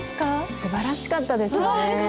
すばらしかったですよね。